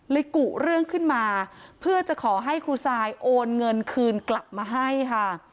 กุเรื่องขึ้นมาเพื่อจะขอให้ครูซายโอนเงินคืนกลับมาให้ค่ะ